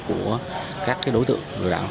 của các đối tượng